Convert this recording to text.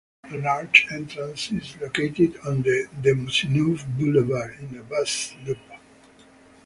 The large entrance is located on De Maisonneuve Boulevard in a bus loop.